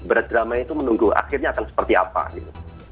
berat drama itu menunggu akhirnya akan seperti apa gitu